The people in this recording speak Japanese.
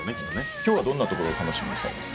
今日はどんなところを楽しみにしてますか？